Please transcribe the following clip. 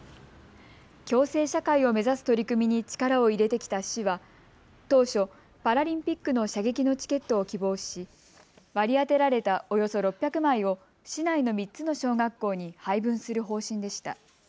共生社会を目指す取り組みに力を入れてきた市は当初、パラリンピックの射撃のチケットを希望し割り当てられたおよそ６００枚を市内の３つの小学校に配分する方針でした。